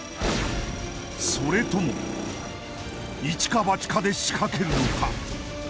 それともイチかバチかで仕掛けるのか？